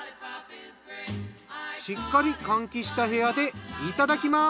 しっかり換気した部屋でいただきます。